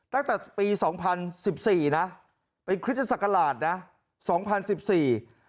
ตั้งแต่ปีสองพันสิบสี่นะเป็นคริสตศักราชนะสองพันสิบสี่